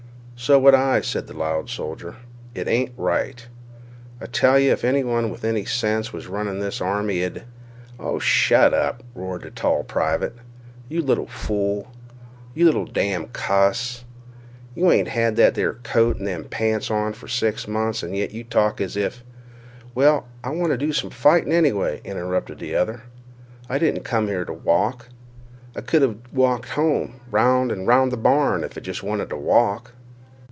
"So would I," said the loud soldier. "It ain't right. I tell you if anybody with any sense was a runnin' this army it—" "Oh, shut up!" roared the tall private. "You little fool. You little damn' cuss. You ain't had that there coat and them pants on for six months, and yet you talk as if—" "Well, I wanta do some fighting anyway," interrupted the other. "I didn't come here to walk. I could 'ave walked to home—'round an' 'round the barn, if I jest wanted to walk."